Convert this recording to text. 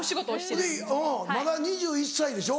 ほんでまだ２１歳でしょ？